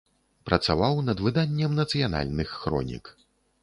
Працаваў над выданнем нацыянальных хронік.